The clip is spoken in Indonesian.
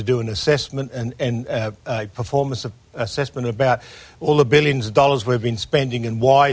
hal hal yang perlu dilakukan untuk membuat komunitas ini berpengalaman